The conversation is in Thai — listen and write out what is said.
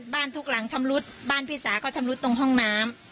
ทุกหลังชำรุดบ้านพี่สาก็ชำรุดตรงห้องน้ำ